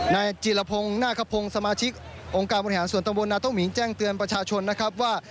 นายจีรพงศ์นาคพงศ์สมาชิกองค์การบริหารส่วนตำบลนาโต้หมิงแจ้งเตือนประชาชนนะครับว่า